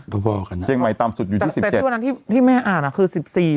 ถ้าพรุ่งนี้อ่ะให้ขอดูพรุ่งนี้